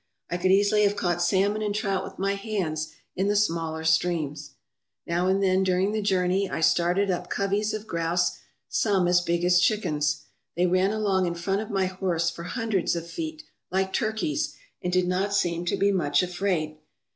I could easily have caught salmon and trout with my hands in the smaller streams Now and then during the journey I started up coveys of grouse, some as big as chickens. They ran along in front of my horse for hundreds of feet like turkeys, and did not seem to be much afraid.